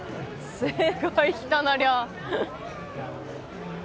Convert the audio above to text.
すごい人の量。